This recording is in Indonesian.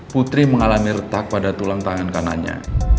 putri mengalami retak pada tulang tangan kanannya